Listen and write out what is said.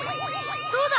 そうだ！